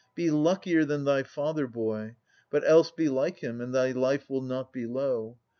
Be luckier than thy father, boy! but else Be like him, and thy life will not be low.